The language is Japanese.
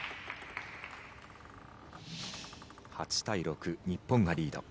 ８対６、日本がリード。